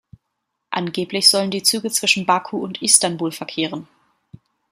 Angeblich sollen die Züge zwischen Baku und Istanbul verkehren.